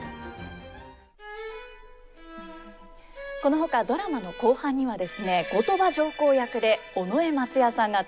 このほかドラマの後半にはですね後鳥羽上皇役で尾上松也さんが登場します。